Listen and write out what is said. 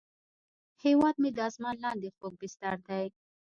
هیواد مې د اسمان لاندې خوږ بستر دی